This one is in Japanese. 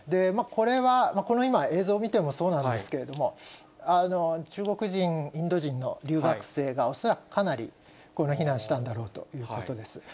これは、この今、映像を見てもそうなんですけれども、中国人、インド人の留学生が恐らくかなりこれ、避難したんだろうということです。